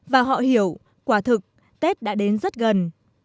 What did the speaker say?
và họ hiểu quả thực tết đã đến rất gần